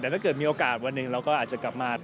แต่ถ้าเกิดมีโอกาสวันหนึ่งเราก็อาจจะกลับมา